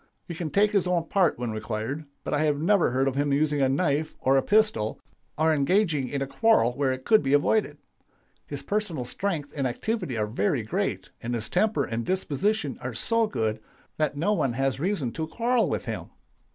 He can take his own part when required, but I have never heard of his using a knife or a pistol, or engaging in a quarrel where it could be avoided. His personal strength and activity are very great, and his temper and disposition are so good that no one has reason to quarrel with him.